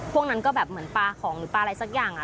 พวกนั้นก็แบบเหมือนปลาของหรือปลาอะไรสักอย่าง